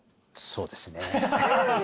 そうですね。